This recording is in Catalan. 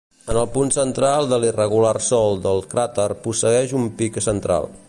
En el punt central de l'irregular sòl del cràter posseeix un pic central.